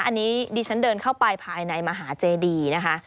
อันนี้ดิฉันเดินเข้าไปภายในมหาเจดีนะคะ